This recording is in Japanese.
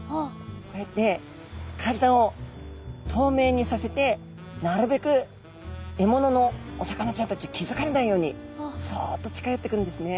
こうやって体を透明にさせてなるべく獲物のお魚ちゃんたちに気付かれないようにそっと近寄ってくるんですね。